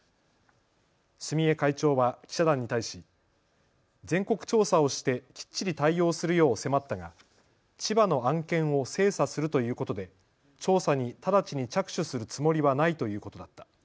住江会長は記者団に対し全国調査をしてきっちり対応するよう迫ったが千葉の案件を精査するということで調査に直ちに着手するつもりはないということだった。